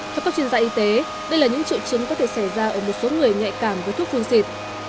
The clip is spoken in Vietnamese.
theo các chuyên gia y tế đây là những triệu chứng có thể xảy ra ở một số người nhạy cảm với thuốc phun xịt